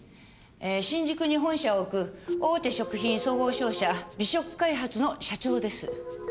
新宿に本社を置く大手食品総合商社美食開発の社長です。